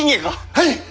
はい！